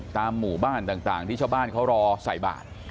ตามหมู่บ้านต่างที่ชาวบ้านเขารอใส่บาท